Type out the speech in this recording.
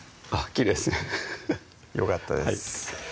きれいですねよかったです